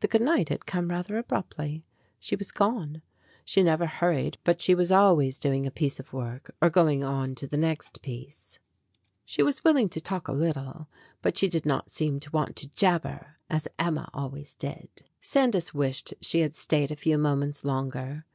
The good night had come rather abruptly. She was gone. She never hurried, but she was always doing a piece of work or going on to the next piece. She was willing to talk a little, but she did not seem to want to jabber, as Emma always did. Sandys wished she had stayed a few moments longer.